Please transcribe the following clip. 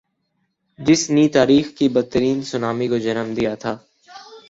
جس نی تاریخ کی بدترین سونامی کو جنم دیا تھا۔